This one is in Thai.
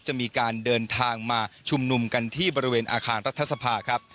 จะมีการเดินทางมาชุมนุมกันที่บริเวณอาคารรัฐสภาครับ